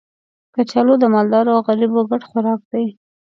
کچالو د مالدارو او غریبو ګډ خوراک دی